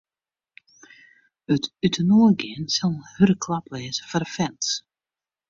It útinoargean sil in hurde klap wêze foar de fans.